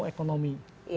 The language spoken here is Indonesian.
dia bukan doktor ilmu ekonomi